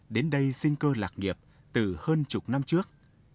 đến đây sinh cơ lạc nghiệp từ hơn chục năm trước